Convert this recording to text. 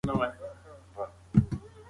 لښتې په خپلو سترګو کې د اوښکو ډنډول ولیدل.